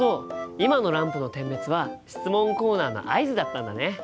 今のランプの点滅は質問コーナーの合図だったんだね。